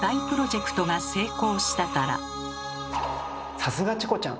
さすがチコちゃん！